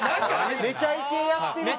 『めちゃイケ』やってる時か。